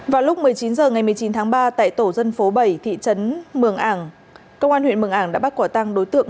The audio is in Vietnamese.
vào lúc một mươi chín h ngày một mươi chín tháng ba tại tổ dân phố bảy thị trấn mường ảng công an huyện mường ảng đã bắt quả tăng đối tượng